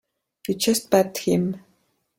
You just pat him.